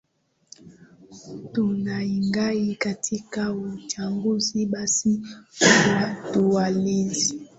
tunaingia katika uchanguzi basi watuwalizi